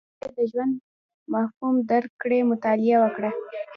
• که غواړې د ژوند مفهوم درک کړې، مطالعه وکړه.